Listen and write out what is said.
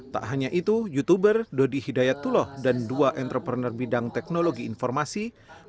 tak hanya itu youtuber dodi hidayatullah dan dua entrepreneur bidang teknologi informasi